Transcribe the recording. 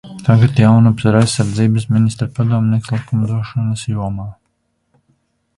Tagad Jaunups ir aizsardzības ministra padomnieks likumdošanas jomā.